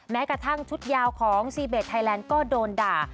แม้กระทั่งชุดยาวของซีเบสไทยแลนด์ก็โดนด่า